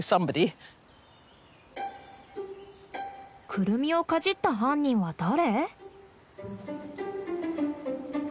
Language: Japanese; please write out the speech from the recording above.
クルミをかじった犯人は誰？